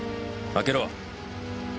開けろ！